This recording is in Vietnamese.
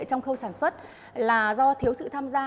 trong khâu sản xuất là do thiếu sự tham gia